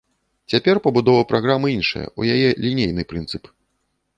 Цяпер пабудова праграмы іншая, у яе лінейны прынцып.